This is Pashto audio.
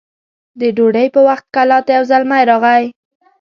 د ډوډۍ په وخت کلا ته يو زلمی راغی